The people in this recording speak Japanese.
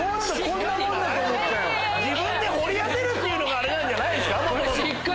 自分で掘り当てるっていうのがあれなんじゃないんすか？